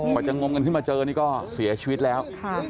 บัจจังงมกันที่มาเจอนี่ก็เสียชีวิตแล้ว